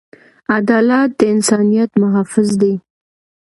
عدالت د انسانیت محافظ دی.